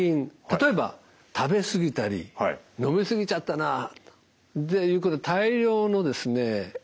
例えば食べ過ぎたり飲み過ぎちゃったなっていうことで大量のですね